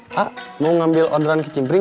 pasti anda berdua bisa ngecil sadis